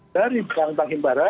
dari bank bank himbara